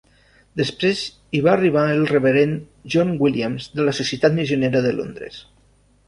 Després hi va arribar el reverend John Williams de la Societat Missionera de Londres.